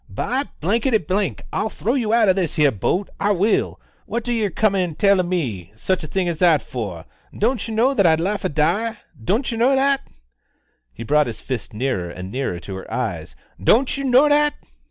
"By I'll throw you out of this 'ere boat, I will; what do yer come tellin' me such a thing as that for? Don't yer know I'd liefer die don't yer know that?" He brought his fist nearer and nearer to her eyes. "Don't yer know that?"